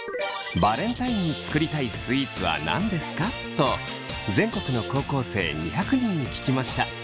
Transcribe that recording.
「バレンタインに作りたいスイーツは何ですか？」と全国の高校生２００人に聞きました。